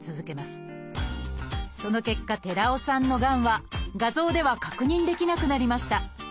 その結果寺尾さんのがんは画像では確認できなくなりました。